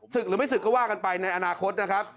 หรือไม่ศึกก็ว่ากันไปในอนาคตนะครับ